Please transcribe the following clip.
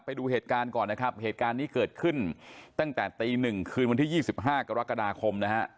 ไปดูเหตุการณ์ก่อนนะครับเหตุการณ์นี้เกิดขึ้นตั้งแต่ตีหนึ่งคืนวันที่๒๕กรกฎาคมนะฮะ